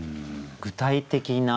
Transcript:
具体的な。